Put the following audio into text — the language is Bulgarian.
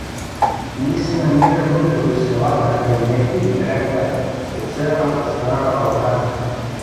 Ние се намирахме между селата Хаинето и Дрента от северната страна на Балкана.